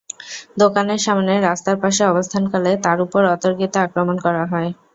দোকানের সামনে রাস্তার পাশে অবস্থানকালে তাঁর ওপর অতর্কিতে আক্রমণ করা হয়।